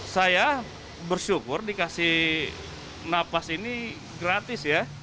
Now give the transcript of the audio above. saya bersyukur dikasih napas ini gratis ya